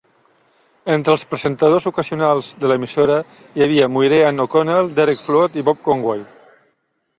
Entre els presentadors ocasionals de l'emissora hi havia Muireann O'Cononell, Derek Flood i Bob Conway.